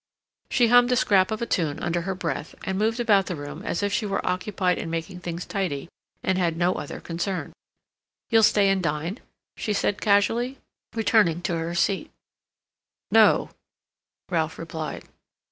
She hummed a scrap of a tune under her breath, and moved about the room as if she were occupied in making things tidy, and had no other concern. "You'll stay and dine?" she said casually, returning to her seat. "No," Ralph replied.